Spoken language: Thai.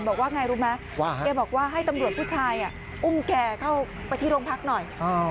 บอกว่าไงรู้ไหมแกบอกว่าให้ตำรวจผู้ชายอุ้มแกเข้าไปที่โรงพักหน่อย